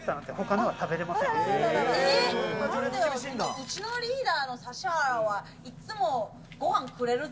うちのリーダーの指原は、いつもご飯くれるぜ。